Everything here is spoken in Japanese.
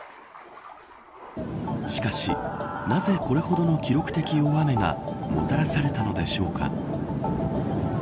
しかしなぜこれほどの記録的大雨がもたらされたのでしょうか。